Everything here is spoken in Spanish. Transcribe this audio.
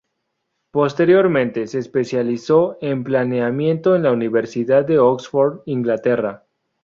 Posteriormente se especializó en planeamiento en la Universidad de Oxford, Inglaterra.